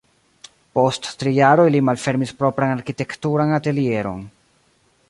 Post tri jaroj li malfermis propran arkitekturan atelieron.